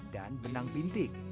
dan benang bintik